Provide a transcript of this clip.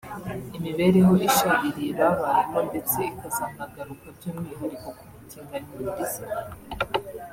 imibereho ishaririye babayemo ndetse ikazanagaruka by’umwihariko ku butiganyi nyir’izina